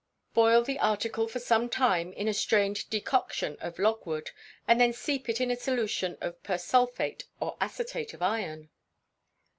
Boil the article for some time in a strained decoction of logwood, and then steep it in a solution of persulphate or acetate of iron.